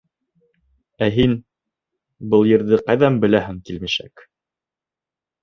— Ә һин был йырҙы ҡайҙан беләһең, килмешәк?